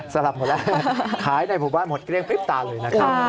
รับหมดแล้วขายในหมู่บ้านหมดเกลี้ยพริบตาเลยนะครับ